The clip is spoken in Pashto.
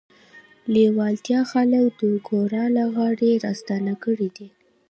لېوالتیا خلک د ګور له غاړې راستانه کړي دي